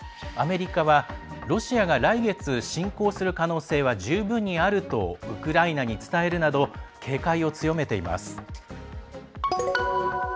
アメリカはロシアが来月侵攻する可能性は十分にあるとウクライナに伝えるなど警戒を強めています。